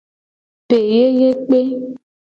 Peyeyekpe.